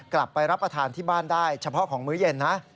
กลับไปรับประทานที่บ้านได้เฉพาะของมื้อเย็นนะ